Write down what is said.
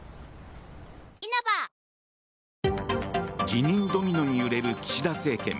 辞任ドミノに揺れる岸田政権。